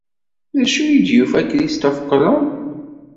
D acu ay d-yufa Christophe Colomb?